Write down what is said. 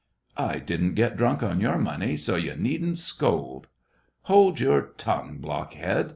" I didn't get drunk on your money, so you needn't scold." " Hold your tongue, blockhead